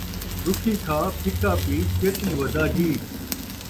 رُکھی کھا ، پھکا پی ، چر تئیں ودا جی